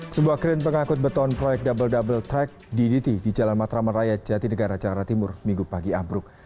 sebuah kren pengangkut beton proyek double double track ddt di jalan matraman raya jati negara jakarta timur minggu pagi ambruk